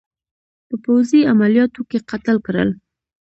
په پوځي عملیاتو کې قتل کړل.